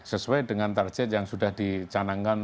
sesuai dengan target yang sudah dicanangkan